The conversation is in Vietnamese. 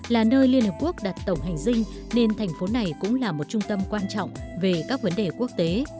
là nơi liên hợp quốc đặt tổng hành dinh nên thành phố này cũng là một trung tâm quan trọng về các vấn đề quốc tế